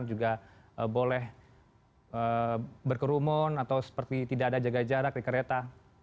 juga boleh berkerumun atau seperti tidak ada jaga jarak di kereta